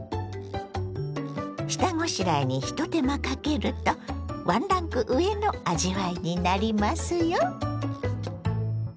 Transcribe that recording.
下ごしらえに一手間かけるとワンランク上の味わいになりますよ！